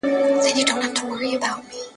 چي پر چا غمونه نه وي ورغلي `